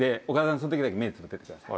その時だけ目つぶっててください。